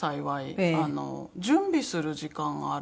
準備する時間があるという。